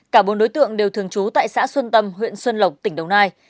cả bốn đối tượng đều thường trú tại xã xuân tâm huyện xuân lộc tỉnh đồng nai